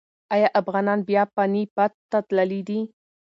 ایا افغانان بیا پاني پت ته تللي دي؟